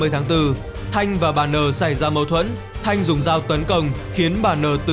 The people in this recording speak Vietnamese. ba mươi tháng bốn thanh và bà nờ xảy ra mâu thuẫn thanh dùng dao tấn công khiến bà n tử